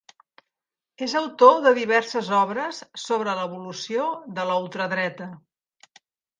És autor de diverses obres sobre l'evolució de la ultradreta.